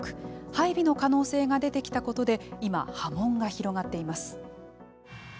配備の可能性が出てきたことで今、波紋が広がっています。